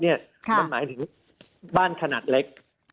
มันหมายถึงบ้านขนาดเล็ก